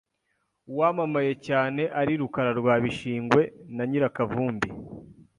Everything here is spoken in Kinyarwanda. uwamamaye cyane ari Rukara rwa Bishingwe na Nyirakavumbi